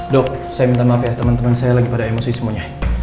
dok saya minta maaf ya teman teman saya lagi pada emosi semuanya